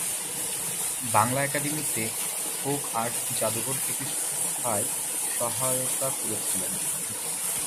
বাংলা একাডেমিতে folk art যাদুঘর প্রতিষ্ঠায় সহায়তা করেছিলেন।